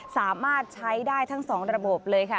สามารถใช้ได้ทั้งสองระบบเลยค่ะ